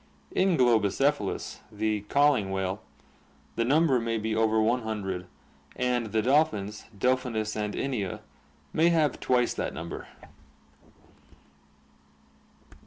In Globicephalus, the ca'ing whale, the number may be over one hundred, and the dolphins, Delphinus and Inia, may have twice that number.